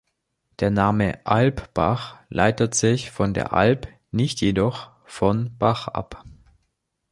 Der Name Alpbach leitet sich von der Alp, nicht jedoch von Bach ab.